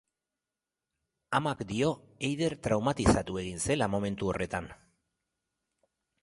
Amak dio Eider traumatizatu egin zela momentu horretan.